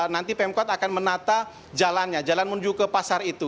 nanti pemkot akan menata jalannya jalan menuju ke pasar itu